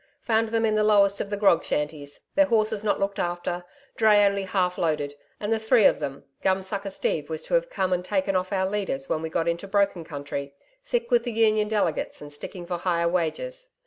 Found them in the lowest of the grog shanties, their horses not looked after, dray only half loaded, and the three of them Gumsucker Steve was to have come and taken off our leaders when we got into broken country thick with the Union delegates and sticking for higher wages.